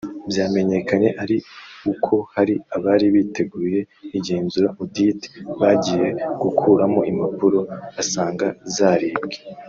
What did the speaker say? Byamenyekanye ari uko hari abari biteguye igenzura (audit) bagiye gukuramo impapuro basanga zaribwe